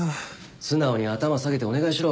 素直に頭下げてお願いしろ。